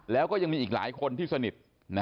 แล้วก็ยังมีอีกหลายคนที่สนิท